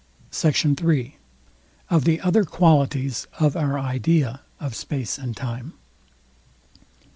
SECT. III. OF THE OTHER QUALITIES OF OUR IDEA OF SPACE AND TIME.